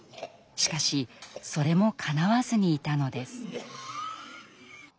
しかしそれもかなわずにいたのです。